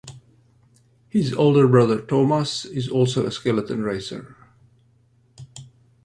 His older brother Tomass is also a skeleton racer.